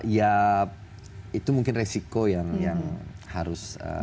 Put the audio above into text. ya itu mungkin resiko yang harus saya punya